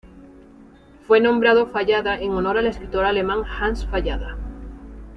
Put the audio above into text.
Fue nombrado Fallada en honor al escritor alemán Hans Fallada.